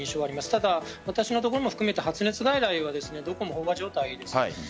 ただ、私のところも含めて発熱外来はどこも飽和状態です。